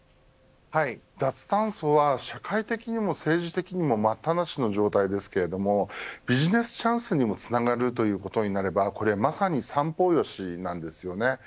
脱炭素は社会的にも政治的にも待ったなしの状態ですけどもビジネスチャンスにもつながるということになればまさに三方良しなんですよね。